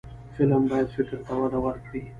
فلم باید فکر ته وده ورکړي